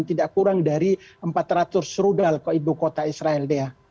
tidak kurang dari empat ratus rudal ke ibu kota israel dia